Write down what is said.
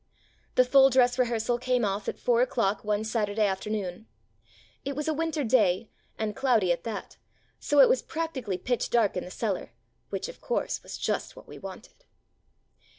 The full dress rehearsal came off at 4 o'clock one Saturday afternoon. It was a winter day, and cloudy at that, so it was practically pitch dark in the cellar, which of course was just what we wanted.